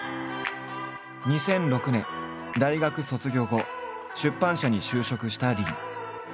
２００６年大学卒業後出版社に就職した林。